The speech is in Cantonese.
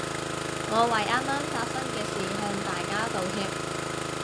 我為啱啱發生嘅事向大家道歉